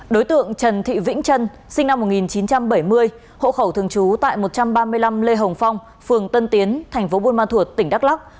đối tượng trần thị vĩnh trân sinh năm một nghìn chín trăm bảy mươi hộ khẩu thường trú tại một trăm ba mươi năm lê hồng phong phường tân tiến thành phố buôn ma thuột tỉnh đắk lắc